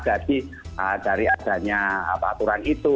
dari adanya aturan itu